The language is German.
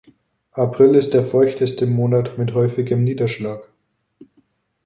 April ist der feuchteste Monat mit häufigem Niederschlag.